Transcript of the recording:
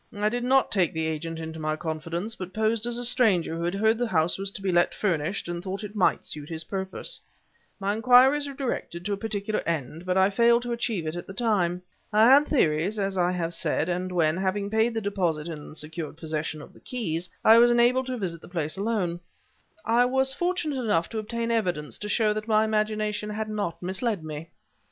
I did not take the agent into my confidence, but posed as a stranger who had heard that the house was to let furnished and thought it might suit his purpose. My inquiries were directed to a particular end, but I failed to achieve it at the time. I had theories, as I have said, and when, having paid the deposit and secured possession of the keys, I was enabled to visit the place alone, I was fortunate enough to obtain evidence to show that my imagination had not misled me.